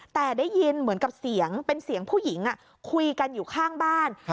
แต่ได้ยินเหมือนกับเสียงเป็นเสียงผู้หญิงคุยกันอยู่ข้างบ้าน